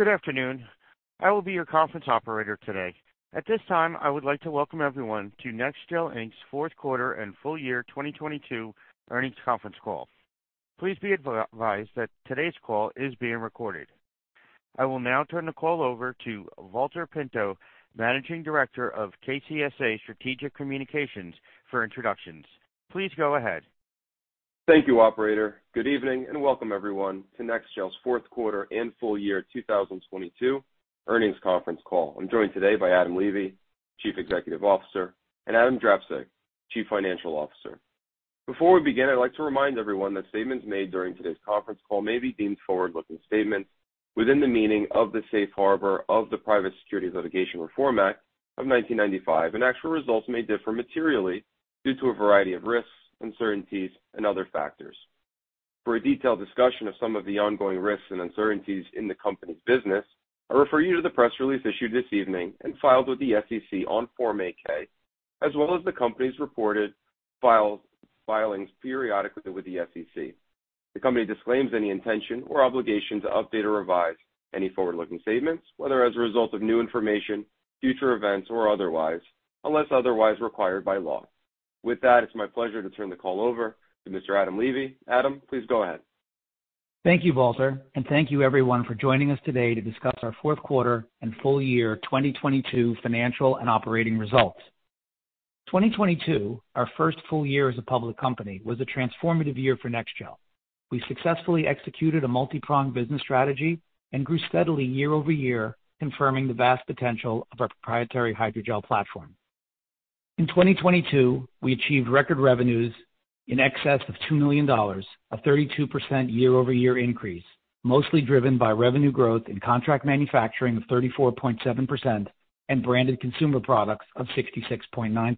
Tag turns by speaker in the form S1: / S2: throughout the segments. S1: Good afternoon. I will be your conference operator today. At this time, I would like to welcome everyone to NEXGEL, Inc.'s fourth quarter and full year 2022 earnings conference call. Please be advised that today's call is being recorded. I will now turn the call over to Valter Pinto, Managing Director of KCSA Strategic Communications, for introductions. Please go ahead.
S2: Thank you, operator. Good evening, and welcome everyone to NEXGEL's fourth quarter and full year 2022 earnings conference call. I'm joined today by Adam Levy, Chief Executive Officer, and Adam E. Drapczuk, Chief Financial Officer. Before we begin, I'd like to remind everyone that statements made during today's conference call may be deemed forward-looking statements within the meaning of the safe harbor of the Private Securities Litigation Reform Act of 1995. Actual results may differ materially due to a variety of risks, uncertainties, and other factors. For a detailed discussion of some of the ongoing risks and uncertainties in the company's business, I refer you to the press release issued this evening and filed with the SEC on Form 8-K, as well as the company's reported filings periodically with the SEC. The company disclaims any intention or obligation to update or revise any forward-looking statements, whether as a result of new information, future events, or otherwise, unless otherwise required by law. With that, it's my pleasure to turn the call over to Mr. Adam Levy. Adam, please go ahead.
S3: Thank you, Valter, and thank you everyone for joining us today to discuss our fourth quarter and full year 2022 financial and operating results. 2022, our first full year as a public company, was a transformative year for NEXGEL. We successfully executed a multi-pronged business strategy and grew steadily year-over-year, confirming the vast potential of our proprietary hydrogel platform. In 2022, we achieved record revenues in excess of $2 million, a 32% year-over-year increase, mostly driven by revenue growth in contract manufacturing of 34.7% and branded consumer products of 66.9%.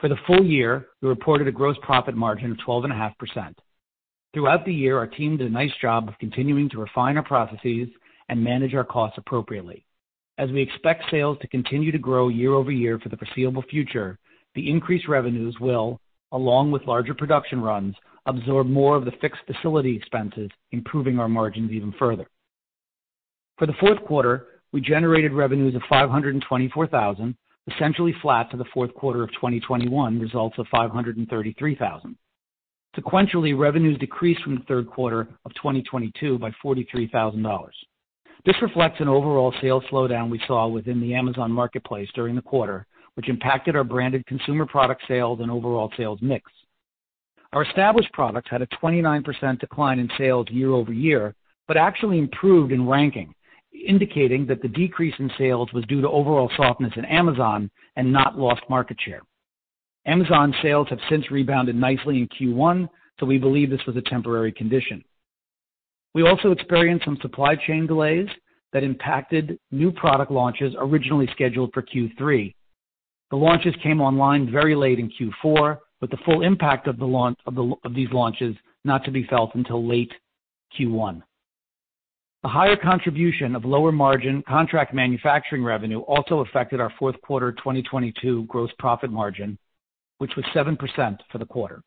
S3: For the full year, we reported a gross profit margin of 12.5%. Throughout the year, our team did a nice job of continuing to refine our processes and manage our costs appropriately. As we expect sales to continue to grow year-over-year for the foreseeable future, the increased revenues will, along with larger production runs, absorb more of the fixed facility expenses, improving our margins even further. For the fourth quarter, we generated revenues of $524,000, essentially flat to the fourth quarter of 2021 results of $533,000. Sequentially, revenues decreased from the third quarter of 2022 by $43,000. This reflects an overall sales slowdown we saw within the Amazon Marketplace during the quarter, which impacted our branded consumer product sales and overall sales mix. Our established products had a 29% decline in sales year-over-year, but actually improved in ranking, indicating that the decrease in sales was due to overall softness in Amazon and not lost market share. Amazon sales have since rebounded nicely in Q1. We believe this was a temporary condition. We also experienced some supply chain delays that impacted new product launches originally scheduled for Q3. The launches came online very late in Q4, with the full impact of these launches not to be felt until late Q1. The higher contribution of lower margin contract manufacturing revenue also affected our fourth quarter 2022 gross profit margin, which was 7% for the quarter.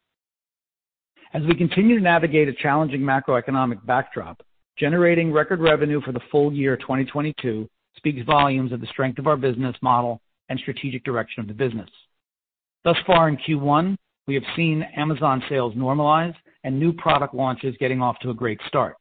S3: As we continue to navigate a challenging macroeconomic backdrop, generating record revenue for the full year 2022 speaks volumes of the strength of our business model and strategic direction of the business. Thus far in Q1, we have seen Amazon sales normalize and new product launches getting off to a great start.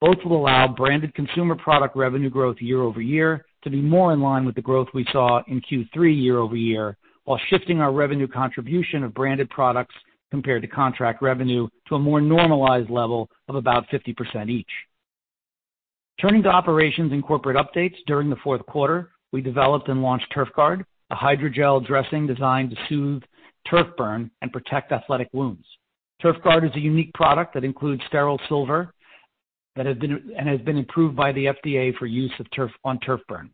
S3: Both will allow branded consumer product revenue growth year-over-year to be more in line with the growth we saw in Q3 year-over-year, while shifting our revenue contribution of branded products compared to contract revenue to a more normalized level of about 50% each. Turning to operations and corporate updates, during the fourth quarter, we developed and launched Turfguard, a hydrogel dressing designed to soothe turf burn and protect athletic wounds. Turfguard is a unique product that includes sterile silver that has been approved by the FDA for use on turf burn.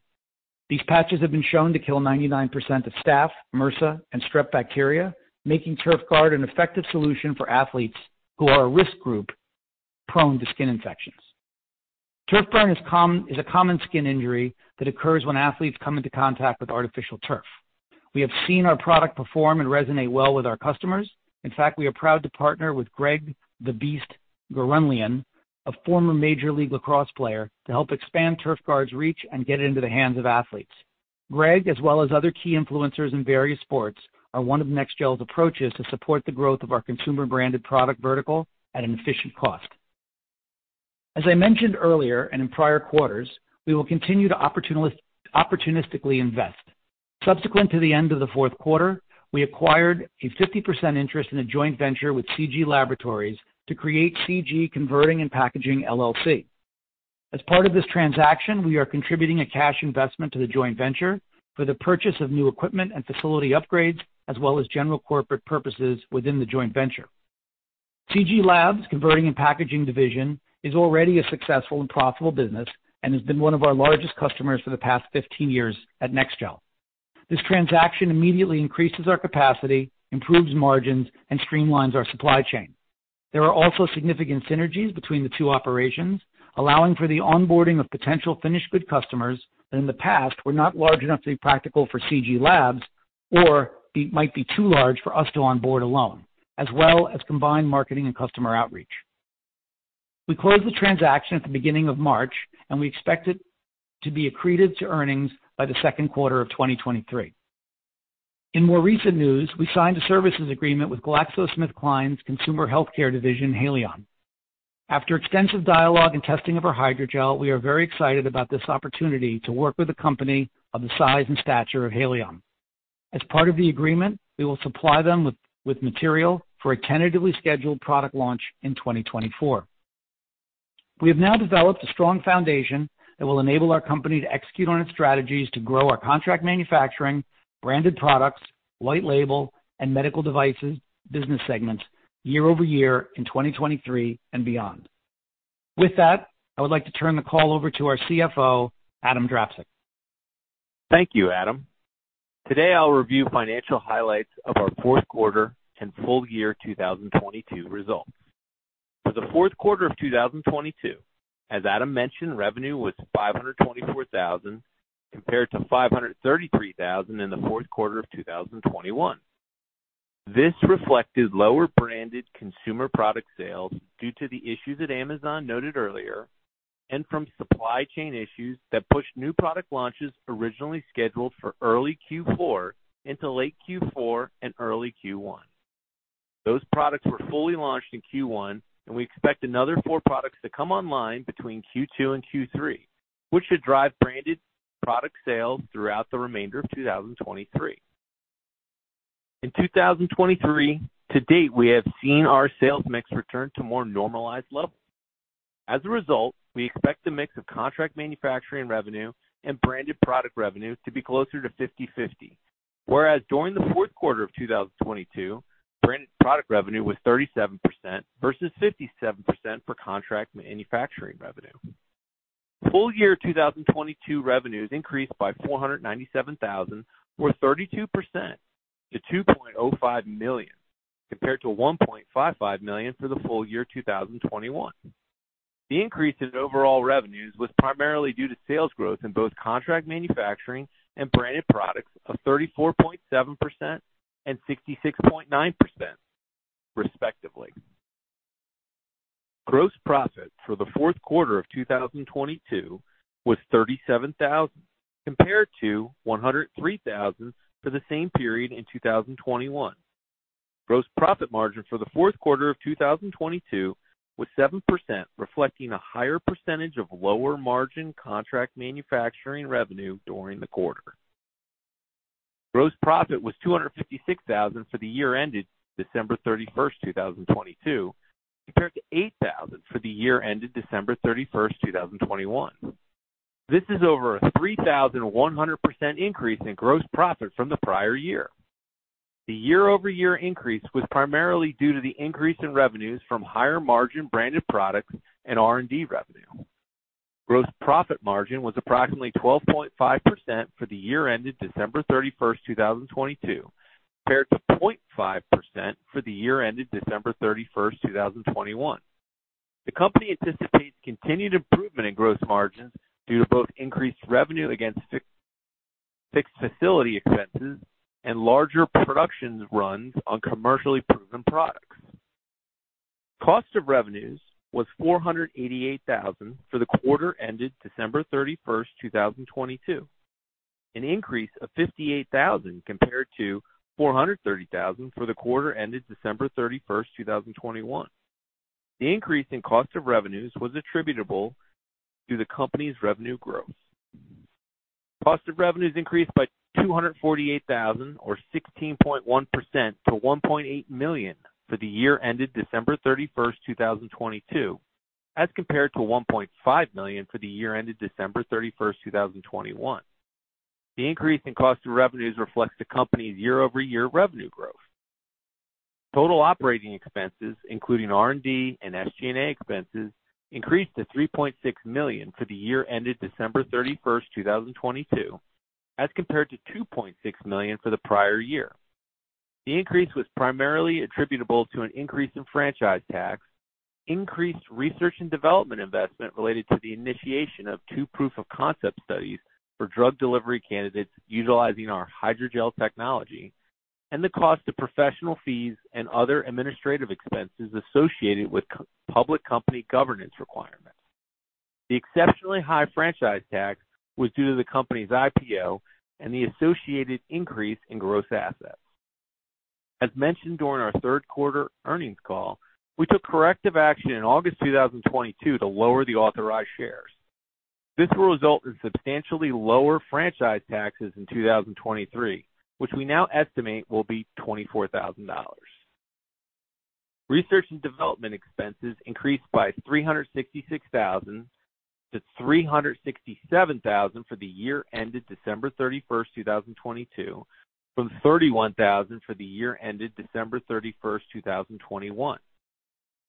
S3: These patches have been shown to kill 99% of staph, MRSA, and strep bacteria, making Turfguard an effective solution for athletes who are a risk group prone to skin infections. Turf burn is a common skin injury that occurs when athletes come into contact with artificial turf. We have seen our product perform and resonate well with our customers. In fact, we are proud to partner with Greg "The Beast" Gurenlian, a former Major League Lacrosse player, to help expand Turfguard's reach and get it into the hands of athletes. Greg, as well as other key influencers in various sports, are one of NEXGEL's approaches to support the growth of our consumer-branded product vertical at an efficient cost. As I mentioned earlier and in prior quarters, we will continue to opportunistically invest. Subsequent to the end of the fourth quarter, we acquired a 50% interest in a joint venture with C.G. Laboratories to create CG Converting and Packaging, LLC. As part of this transaction, we are contributing a cash investment to the joint venture for the purchase of new equipment and facility upgrades as well as general corporate purposes within the joint venture. C.G. Labs' Converting and Packaging division is already a successful and profitable business and has been one of our largest customers for the past 15 years at NEXGEL. This transaction immediately increases our capacity, improves margins, and streamlines our supply chain. There are also significant synergies between the two operations, allowing for the onboarding of potential finished good customers that in the past were not large enough to be practical for C.G. Labs or it might be too large for us to onboard alone, as well as combined marketing and customer outreach. We closed the transaction at the beginning of March, we expect it to be accretive to earnings by the second quarter of 2023. In more recent news, we signed a services agreement with GlaxoSmithKline's consumer healthcare division, Haleon. After extensive dialogue and testing of our hydrogel, we are very excited about this opportunity to work with a company of the size and stature of Haleon. As part of the agreement, we will supply them with material for a tentatively scheduled product launch in 2024. We have now developed a strong foundation that will enable our company to execute on its strategies to grow our contract manufacturing, branded products, white label, and medical devices business segments year-over-year in 2023 and beyond. With that, I would like to turn the call over to our CFO, Adam Drapczuk.
S4: Thank you, Adam. Today, I'll review financial highlights of our fourth quarter and full year 2022 results. For the fourth quarter of 2022, as Adam mentioned, revenue was $524,000 compared to $533,000 in the fourth quarter of 2021. This reflected lower branded consumer product sales due to the issues at Amazon noted earlier and from supply chain issues that pushed new product launches originally scheduled for early Q4 into late Q4 and early Q1. Those products were fully launched in Q1. We expect another four products to come online between Q2 and Q3, which should drive branded product sales throughout the remainder of 2023. In 2023 to date, we have seen our sales mix return to more normalized levels. As a result, we expect the mix of contract manufacturing revenue and branded product revenue to be closer to 50/50. Whereas during the fourth quarter of 2022, branded product revenue was 37% versus 57% for contract manufacturing revenue. Full year 2022 revenues increased by $497,000 or 32% to $2.05 million, compared to $1.55 million for the full year 2021. The increase in overall revenues was primarily due to sales growth in both contract manufacturing and branded products of 34.7% and 66.9%, respectively. Gross profit for the fourth quarter of 2022 was $37,000 compared to $103,000 for the same period in 2021. Gross profit margin for the fourth quarter of 2022 was 7%, reflecting a higher percentage of lower margin contract manufacturing revenue during the quarter. Gross profit was $256,000 for the year ended December 31st, 2022, compared to $8,000 for the year ended December 31st, 2021. This is over a 3,100% increase in gross profit from the prior year. The year-over-year increase was primarily due to the increase in revenues from higher margin branded products and R&D revenue. Gross profit margin was approximately 12.5% for the year ended December 31st, 2022, compared to 0.5% for the year ended December 31st, 2021. The company anticipates continued improvement in gross margins due to both increased revenue against fixed facility expenses and larger productions runs on commercially proven products. Cost of revenues was $488,000 for the quarter ended December 31st, 2022, an increase of $58,000 compared to $430,000 for the quarter ended December 31st, 2021. The increase in cost of revenues was attributable to the company's revenue growth. Cost of revenues increased by $248,000 or 16.1% to $1.8 million for the year ended December 31st, 2022, as compared to $1.5 million for the year ended December 31st, 2021. The increase in cost of revenues reflects the company's year-over-year revenue growth. Total operating expenses, including R&D and SG&A expenses, increased to $3.6 million for the year ended December 31st, 2022, as compared to $2.6 million for the prior year. The increase was primarily attributable to an increase in franchise tax, increased research and development investment related to the initiation of two proof of concept studies for drug delivery candidates utilizing our hydrogel technology, and the cost of professional fees and other administrative expenses associated with public company governance requirements. The exceptionally high franchise tax was due to the company's IPO and the associated increase in gross assets. As mentioned during our third quarter earnings call, we took corrective action in August 2022 to lower the authorized shares. This will result in substantially lower franchise taxes in 2023, which we now estimate will be $24,000. Research and development expenses increased by $366,000 to $367,000 for the year ended December 31st, 2022, from $31,000 for the year ended December 31st, 2021.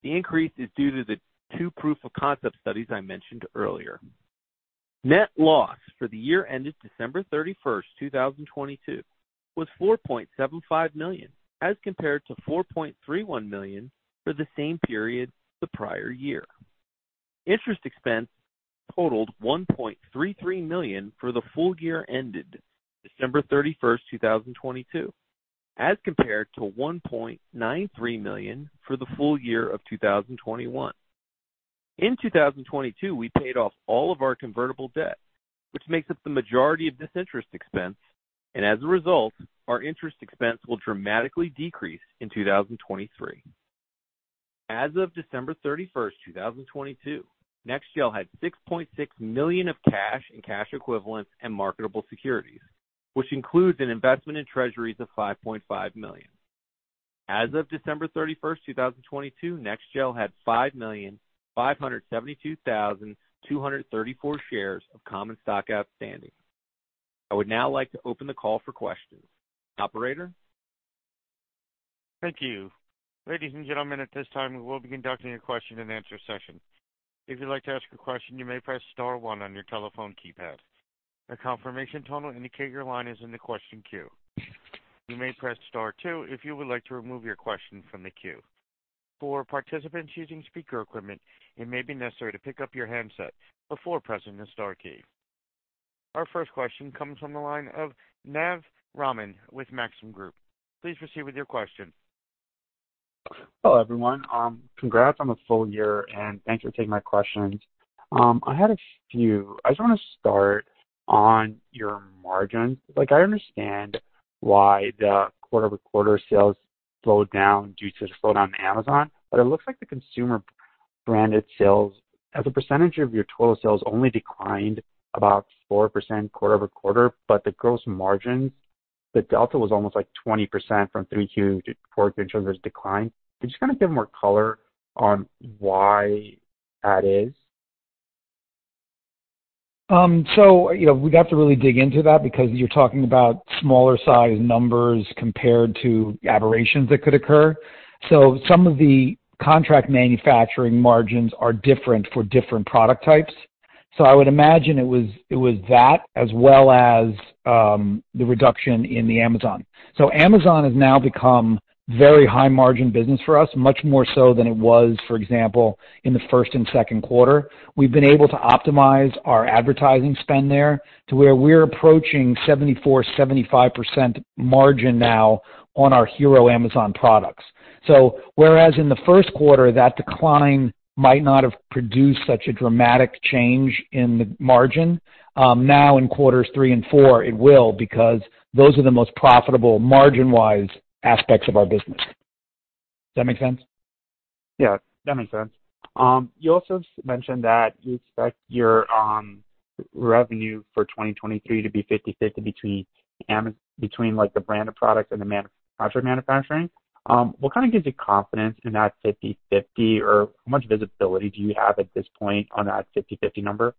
S4: The increase is due to the two proof of concept studies I mentioned earlier. Net loss for the year ended December thirty-first, 2022 was $4.75 million, as compared to $4.31 million for the same period the prior year. Interest expense totaled $1.33 million for the full year ended December 31st, 2022, as compared to $1.93 million for the full year of 2021. In 2022, we paid off all of our convertible debt, which makes up the majority of this interest expense. As a result, our interest expense will dramatically decrease in 2023. As of December 31st, 2022, NEXGEL had $6.6 million of cash and cash equivalents and marketable securities, which includes an investment in treasuries of $5.5 million. As of December 31st, 2022, NEXGEL had 5,572,234 shares of common stock outstanding. I would now like to open the call for questions. Operator?
S1: Thank you. Ladies and gentlemen, at this time, we will be conducting a question and answer session. If you'd like to ask a question, you may press star one on your telephone keypad. A confirmation tone will indicate your line is in the question queue. You may press star two if you would like to remove your question from the queue. For participants using speaker equipment, it may be necessary to pick up your handset before pressing the star key. Our first question comes from the line of Naz Rahman with Maxim Group. Please proceed with your question.
S5: Hello, everyone. Congrats on the full year, and thanks for taking my questions. I had a few. I just want to start on your margins. Like, I understand why the quarter-over-quarter sales slowed down due to the slowdown in Amazon, but it looks like the consumer branded sales as a percentage of your total sales only declined about 4% quarter-over-quarter. The gross margins, the delta was almost like 20% from 3Q to 4Q in terms of decline. Can you just kind of give more color on why that is?
S3: You know, we'd have to really dig into that because you're talking about smaller sized numbers compared to aberrations that could occur. Some of the contract manufacturing margins are different for different product types. I would imagine it was that as well as the reduction in the Amazon. Amazon has now become very high margin business for us, much more so than it was, for example, in the first and second quarter. We've been able to optimize our advertising spend there to where we're approaching 74%-75% margin now on our hero Amazon products. Whereas in the first quarter, that decline might not have produced such a dramatic change in the margin, now in quarters three and four, it will because those are the most profitable margin-wise aspects of our business. Does that make sense?
S5: Yeah, that makes sense. You also mentioned that you expect your revenue for 2023 to be 50/50 between between, like, the brand of products and the man-contract manufacturing. What kind of gives you confidence in that 50/50 or how much visibility do you have at this point on that 50/50 number?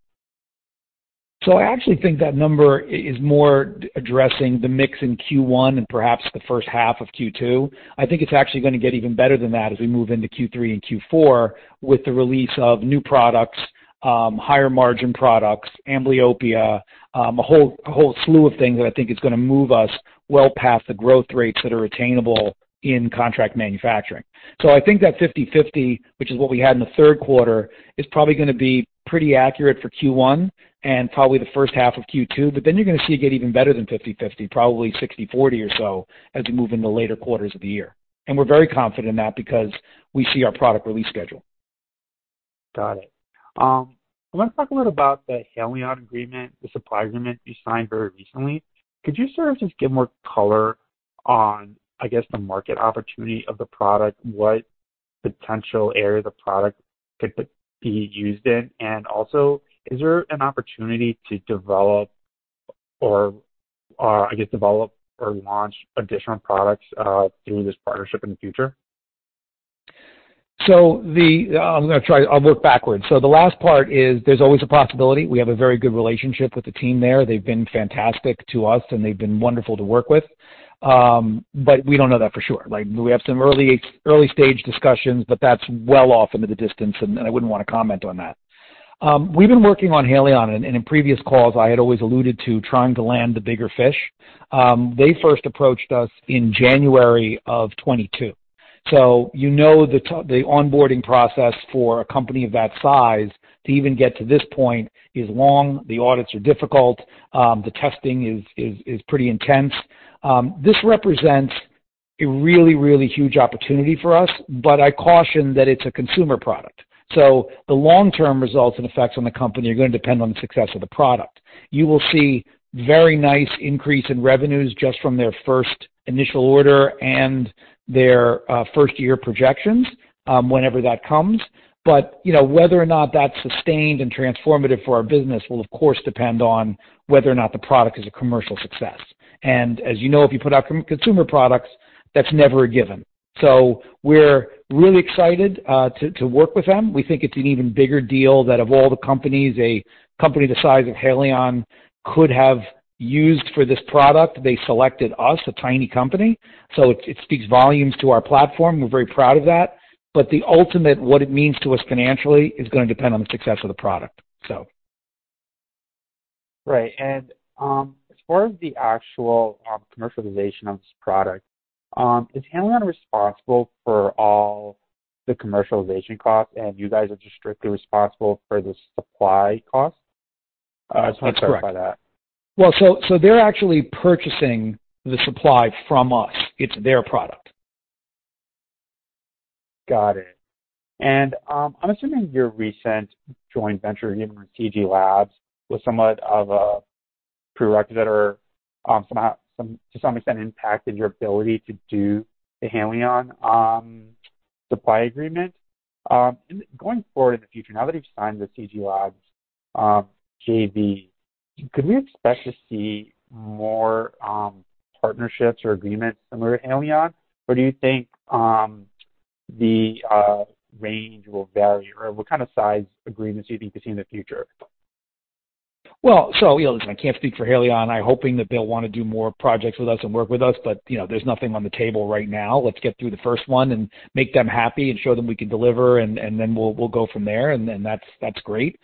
S3: I actually think that number is more addressing the mix in Q1 and perhaps the first half of Q2. I think it's actually gonna get even better than that as we move into Q3 and Q4 with the release of new products, higher margin products, amblyopia, a whole slew of things that I think is gonna move us well past the growth rates that are attainable in contract manufacturing. I think that 50/50, which is what we had in the third quarter, is probably gonna be pretty accurate for Q1 and probably the first half of Q2. You're gonna see it get even better than 50/50, probably 60/40 or so as we move into later quarters of the year. We're very confident in that because we see our product release schedule.
S5: Got it. I want to talk a little about the Haleon agreement, the supply agreement you signed very recently. Could you sort of just give more color on, I guess, the market opportunity of the product, what potential area the product could be used in? Also, is there an opportunity to develop or launch additional products through this partnership in the future?
S3: I'm gonna try. I'll work backwards. The last part is there's always a possibility. We have a very good relationship with the team there. They've been fantastic to us, and they've been wonderful to work with. We don't know that for sure. Like, we have some early-stage discussions, that's well off into the distance, and I wouldn't want to comment on that. We've been working on Haleon, and in previous calls, I had always alluded to trying to land the bigger fish. They first approached us in January of 2022. You know, the onboarding process for a company of that size to even get to this point is long. The audits are difficult. The testing is pretty intense. This represents a really, really huge opportunity for us, but I caution that it's a consumer product, so the long-term results and effects on the company are going to depend on the success of the product. You will see very nice increase in revenues just from their first initial order and their first-year projections whenever that comes. You know, whether or not that's sustained and transformative for our business will of course depend on whether or not the product is a commercial success. As you know, if you put out consumer products, that's never a given. We're really excited to work with them. We think it's an even bigger deal that of all the companies, a company the size of Haleon could have used for this product, they selected us, a tiny company. It speaks volumes to our platform. We're very proud of that. The ultimate, what it means to us financially is going to depend on the success of the product, so.
S5: Right. As far as the actual commercialization of this product, is Haleon responsible for all the commercialization costs, and you guys are just strictly responsible for the supply costs? I just wanna clarify that.
S3: That's correct. Well, they're actually purchasing the supply from us. It's their product.
S5: Got it. I'm assuming your recent joint venture with C.G. Labs was somewhat of a prerequisite or, to some extent impacted your ability to do the Haleon supply agreement. Going forward in the future, now that you've signed the C.G. Labs JV, could we expect to see more partnerships or agreements similar to Haleon? Do you think the range will vary? What kind of size agreements do you think you'll see in the future?
S3: Listen, I can't speak for Haleon. I'm hoping that they'll wanna do more projects with us and work with us, you know, there's nothing on the table right now. Let's get through the first one and make them happy and show them we can deliver and then we'll go from there, and then that's great.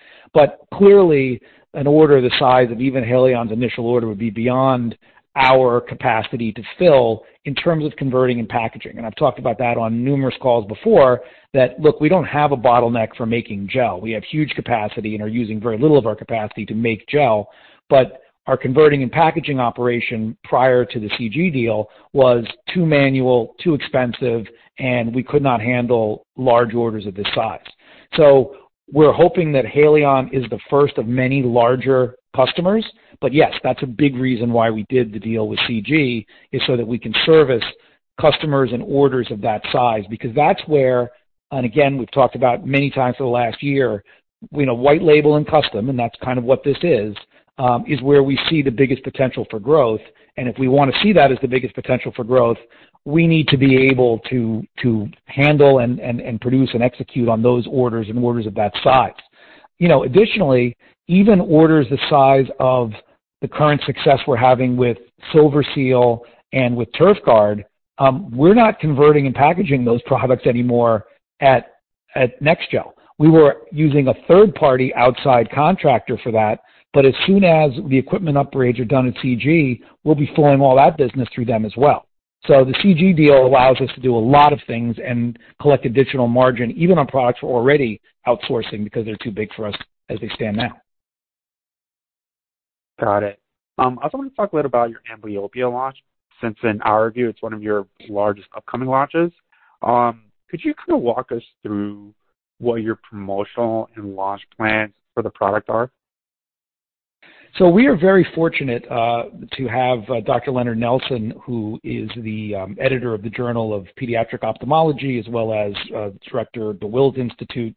S3: Clearly, an order the size of even Haleon's initial order would be beyond our capacity to fill in terms of converting and packaging. I've talked about that on numerous calls before, that, look, we don't have a bottleneck for making gel. We have huge capacity and are using very little of our capacity to make gel. Our converting and packaging operation prior to the CG deal was too manual, too expensive, and we could not handle large orders of this size. We're hoping that Haleon is the first of many larger customers. Yes, that's a big reason why we did the deal with CG, is so that we can service customers and orders of that size, because that's where, and again, we've talked about many times over the last year, you know, white label and custom, and that's kind of what this is where we see the biggest potential for growth. If we wanna see that as the biggest potential for growth, we need to be able to handle and produce and execute on those orders and orders of that size. You know, additionally, even orders the size of the current success we're having with SilverSeal and with Turfguard, we're not converting and packaging those products anymore at NEXGEL. We were using a third-party outside contractor for that. As soon as the equipment upgrades are done at CG, we'll be flowing all that business through them as well. The CG deal allows us to do a lot of things and collect additional margin, even on products we're already outsourcing because they're too big for us as they stand now.
S5: Got it. I also want to talk a little about your amblyopia launch, since in our view, it's one of your largest upcoming launches. Could you kind of walk us through what your promotional and launch plans for the product are?
S3: We are very fortunate to have Dr. Leonard Nelson, who is the Editor of the Journal of Pediatric Ophthalmology, as well as Director of the Wills Eye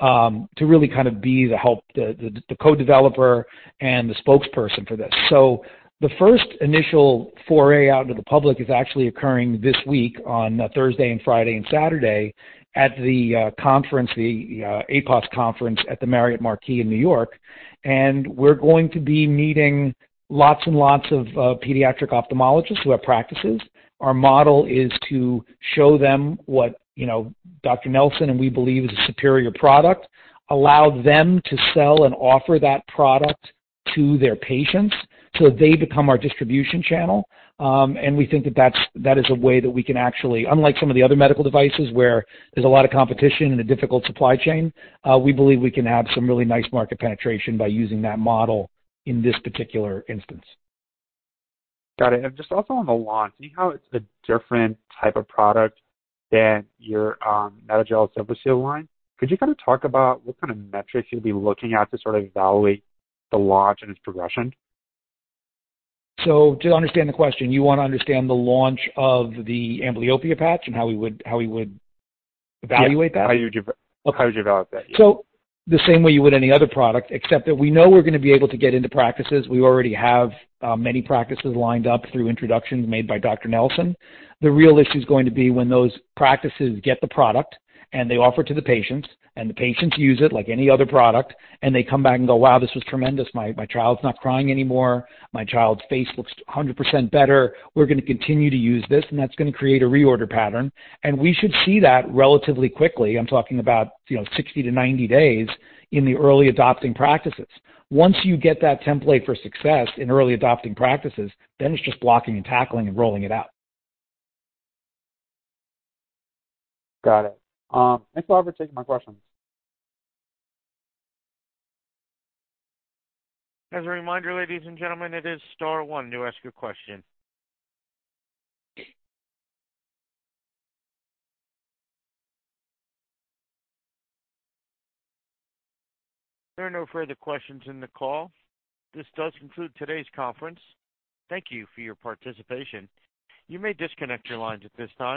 S3: Hospital, to really kind of be the co-developer and the spokesperson for this. The first initial foray out into the public is actually occurring this week on Thursday and Friday and Saturday at the conference, the AAPOS conference at the New York Marriott Marquis in New York. We're going to be meeting lots of pediatric ophthalmologists who have practices. Our model is to show them what, you know, Dr. Nelson and we believe is a superior product, allow them to sell and offer that product to their patients so that they become our distribution channel. We think that is a way that we can actually unlike some of the other medical devices where there's a lot of competition and a difficult supply chain, we believe we can have some really nice market penetration by using that model in this particular instance.
S5: Got it. Just also on the launch, seeing how it's a different type of product than your MEDAGEL SilverSeal line, could you kind of talk about what kind of metrics you'll be looking at to sort of evaluate the launch and its progression?
S3: To understand the question, you want to understand the launch of the amblyopia patch and how we would evaluate that?
S5: Yeah. How you'd evaluate that, yeah.
S3: The same way you would any other product, except that we know we're gonna be able to get into practices. We already have many practices lined up through introductions made by Dr. Nelson. The real issue is going to be when those practices get the product, and they offer it to the patients, and the patients use it like any other product, and they come back and go, "Wow, this was tremendous. My, my child's not crying anymore. My child's face looks 100% better. We're gonna continue to use this." That's gonna create a reorder pattern. We should see that relatively quickly. I'm talking about, you know, 60 to 90 days in the early adopting practices. Once you get that template for success in early adopting practices, it's just blocking and tackling and rolling it out.
S5: Got it. thanks a lot for taking my questions.
S1: As a reminder, ladies and gentlemen, it is star one to ask your question. There are no further questions in the call. This does conclude today's conference. Thank you for your participation. You may disconnect your lines at this time.